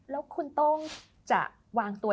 แล้วคุณต้องจะวางตัว